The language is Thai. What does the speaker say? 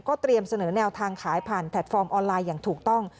เตรียมเสนอแนวทางขายผ่านแพลตฟอร์มออนไลน์อย่างถูกต้อง